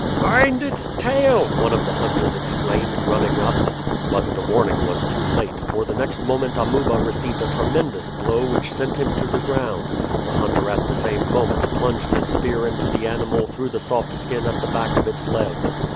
"Mind its tail!" one of the hunters exclaimed, running up. But the warning was too late, for the next moment Amuba received a tremendous blow which sent him to the ground. The hunter at the same moment plunged his spear into the animal through the soft skin at the back of its leg.